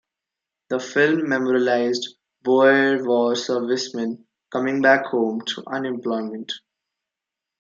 The film memorialized Boer War serviceman coming back home to unemployment.